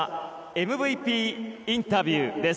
ＭＶＰインタビューです。